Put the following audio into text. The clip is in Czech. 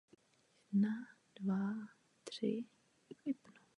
Po této události přišel o právo pobývat v univerzitních městech.